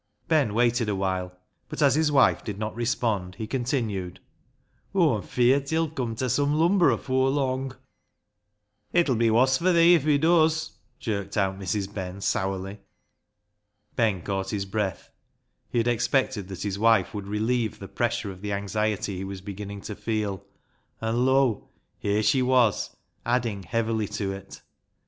Ben waited a while, but as his wife did not respond, he continued —" Aw'm feart he'll come ta sum lumber afoor lung." " It'll be woss fur thee if he does," jerked out Mrs. Ben sourly. Ben caught his breath. He had expected that his wife would relieve the pressure of the 52 BECKSIDE LIGHTS anxiety he was beginning to feel, and lo ! here she was adding heavily to it.